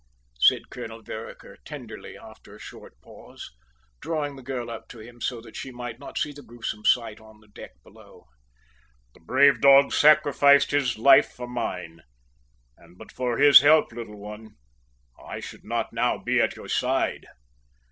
said Colonel Vereker tenderly after a short pause, drawing the young girl up to him so that she might not see the gruesome sight on the deck below. "The brave dog sacrificed his life for mine, and but for his help, little one, I should not now be by your side."